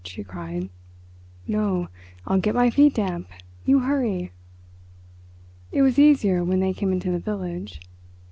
she cried. "No. I'll get my feet damp—you hurry." It was easier when they came into the village.